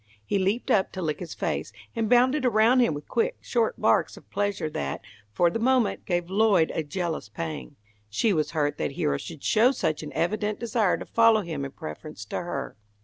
He leaped up to lick his face, and bounded around him with quick, short barks of pleasure that, for the moment, gave Lloyd a jealous pang. She was hurt that Hero should show such an evident desire to follow him in preference to her.